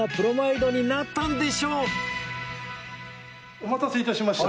お待たせ致しました。